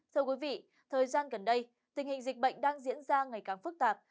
thưa quý vị thời gian gần đây tình hình dịch bệnh đang diễn ra ngày càng phức tạp